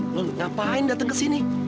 nol ngapain dateng kesini